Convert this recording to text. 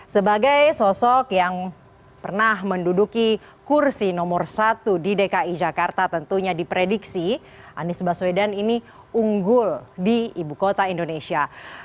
sebagai sosok yang pernah menduduki kursi nomor satu di dki jakarta tentunya diprediksi anies baswedan ini unggul di ibu kota indonesia